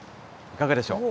いかがでしょう。